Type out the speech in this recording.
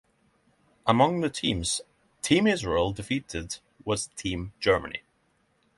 Among the teams Team Israel defeated was Team Germany.